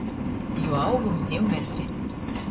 Juo augums — div metri.